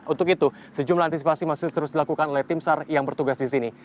untuk itu sejumlah antisipasi masih terus dilakukan oleh tim sar yang bertugas di sini